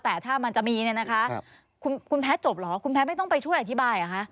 แต่ถ้ามันจะมีเนี่ยนะคะคุณแพทย์จบเหรอคุณแพทย์ไม่ต้องไปช่วยอธิบายเหรอคะ